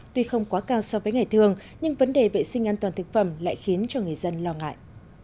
tuy không quá cao so với ngày thường nhưng vấn đề vệ sinh an toàn thực phẩm lại khiến cho người dân lo ngại